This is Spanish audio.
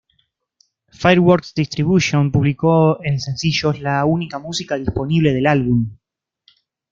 Fireworks Distribution publicó en sencillos la única música disponible del álbum.